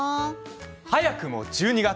早くも１２月。